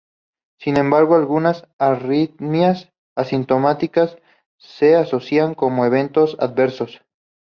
Sin embargo, algunas arritmias asintomáticas se asocian con eventos adversos.